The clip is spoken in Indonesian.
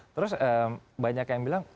terus banyak yang bilang